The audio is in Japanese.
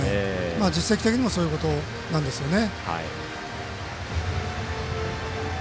実績的にもそういうことなんですよね。